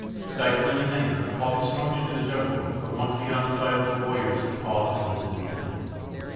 Stifling his anger, Paulvitch slunk into the jungle; but once beyond the sight of the warriors he paused and listened intently.